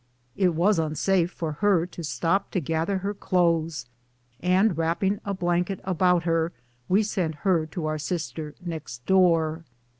It was unsafe for her to stop to gather her clothes, and wrapping a blanket about her we sent her to our sister next door.